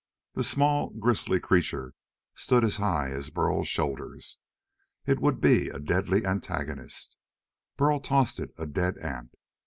The small, grisly creature stood as high as Burl's shoulders. It would be a deadly antagonist. Burl tossed it a dead ant.